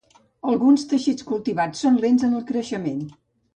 Alguns teixits cultivats són lents en el creixement.